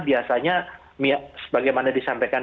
biasanya sebagaimana disampaikan